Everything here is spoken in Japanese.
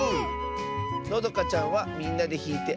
のどかちゃんは「みんなでひいてあそべるね」